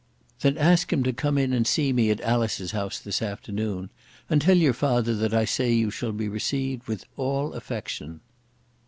"Then ask him and come in and see me at Alice's house this afternoon. And tell your father that I say you shall be received with all affection."